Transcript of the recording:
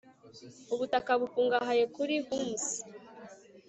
ubutaka bukungahaye kuri humus